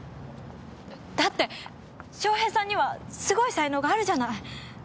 だって翔平さんにはすごい才能があるじゃない。